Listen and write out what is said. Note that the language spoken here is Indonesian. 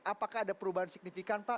apakah ada perubahan signifikan pak